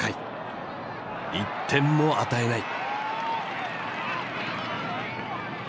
１点も与えない。